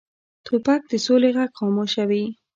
توپک د سولې غږ خاموشوي.